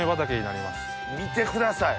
見てください。